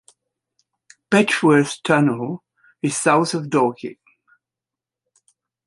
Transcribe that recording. Betchworth Tunnel is south of Dorking.